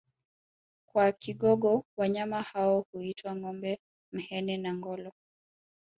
Kwa Kigogo wanyama hao huitwa ngombe mhene na ngholo